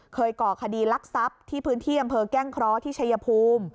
ก่อคดีรักทรัพย์ที่พื้นที่อำเภอแก้งเคราะห์ที่ชัยภูมิ